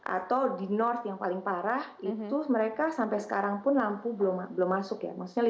atau di north yang paling parah itu mereka sampai sekarang pun lampu belum masuk ya maksudnya listrik masih mati